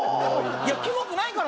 いやキモくないから。